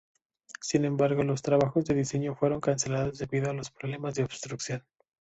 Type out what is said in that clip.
Sin embargo, los trabajos de diseño fueron cancelados debido a los problemas de obstrucción.